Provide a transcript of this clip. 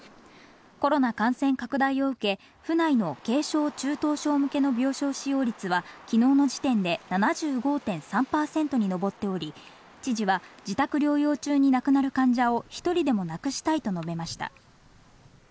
コロナ感染拡大を受け、府内の軽症、中等症向けの病床使用率は、きのうの時点で７５．３％に上っており、知事は、自宅療養中に亡くなる患者を１人でもなくしたいと述べました。